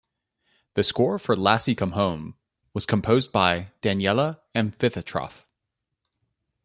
The score for "Lassie Come Home" was composed by Daniele Amfitheatrof.